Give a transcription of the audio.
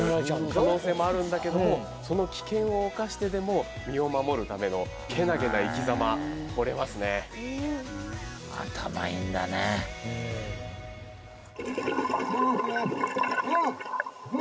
可能性もあるんだけどもその危険を冒してでも身を守るためのけなげな生きざまほれますね頭いいんだねうん